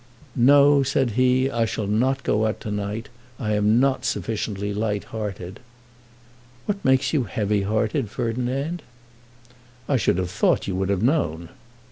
"No," said he, "I shall not go out to night. I am not sufficiently light hearted." "What makes you heavy hearted, Ferdinand?" "I should have thought you would have known."